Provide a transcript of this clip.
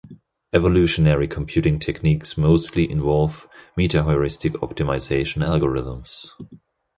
Evolutionary computing techniques mostly involve metaheuristic optimization algorithms.